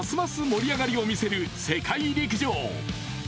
盛り上がりを見せる世界陸上。